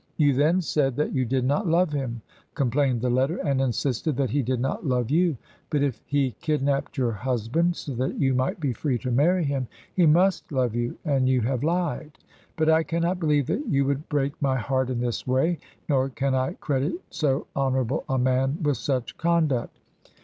"You then said that you did not love him," complained the letter, "and insisted that he did not love you. But if he kidnapped your husband, so that you might be free to marry him, he must love you and you have lied. But I cannot believe that you would break my heart in this way, nor can I credit so honourable a man with such conduct."